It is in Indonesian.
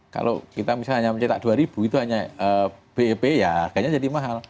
kalau kita misalnya mencetak dua ribu itu hanya bep ya harganya jadi mahal